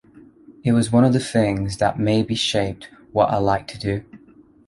It was one of the things that maybe shaped what I like to do.